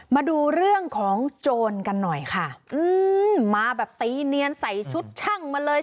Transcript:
มาดูเรื่องของโจรกันหน่อยค่ะอืมมาแบบตีเนียนใส่ชุดช่างมาเลย